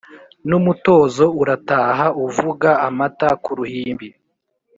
N'umutozo urataha uvuga amata ku ruhimbi